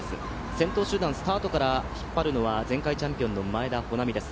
先頭集団、スタートから引っ張るのは、前回チャンスの前田穂南です。